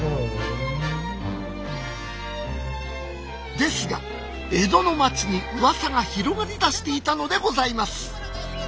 ですが江戸の町にうわさが広がりだしていたのでございます。